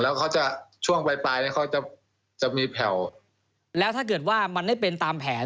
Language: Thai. แล้วเขาจะช่วงปลายปลายเนี่ยเขาจะจะมีแผ่วแล้วถ้าเกิดว่ามันไม่เป็นตามแผน